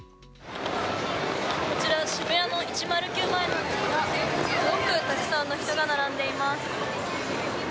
こちら渋谷の１０９前なんですがたくさんの人が並んでいます。